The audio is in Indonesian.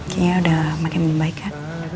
kayaknya udah makin membaikan